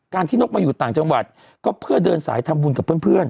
ที่นกมาอยู่ต่างจังหวัดก็เพื่อเดินสายทำบุญกับเพื่อน